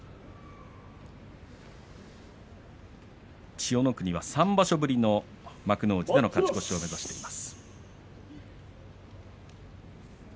千代の国は３場所ぶりの幕内での勝ち越しを目指しています。